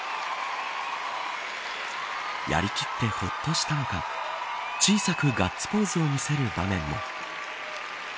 やりきってほっとしたのか小さくガッツポーズを見せる場面も。